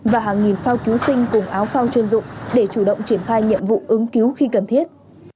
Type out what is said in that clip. và hàng nghìn phao cứu sinh cùng áo phao chuyên dụng để chủ động triển khai nhiệm vụ ứng cứu khi cần thiết